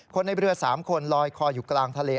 ในเรือ๓คนลอยคออยู่กลางทะเล